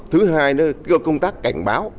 thứ hai công tác cảnh báo